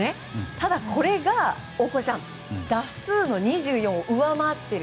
ただ、これが大越さん打数の２４を上回っている。